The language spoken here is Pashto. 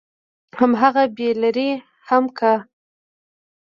همغه به يې لرې هم کا.